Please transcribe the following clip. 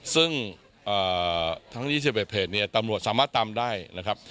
ซึ่งทั้ง๒๑เพจเนี่ยตำรวจสามารถตามได้นะครับ